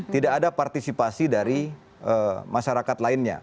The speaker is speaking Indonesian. tidak ada partisipasi dari masyarakat lainnya